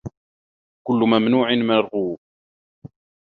كل ممنوع مرغوب